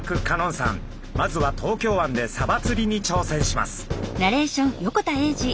まずは東京湾でサバつりに挑戦します。